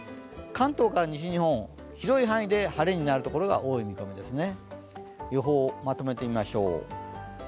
関東から西日本、広い範囲で晴れになるところが多い見込みですね。